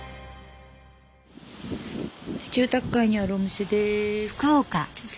住宅街にあるお店です。